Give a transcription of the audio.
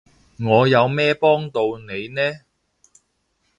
我有咩幫到你呢？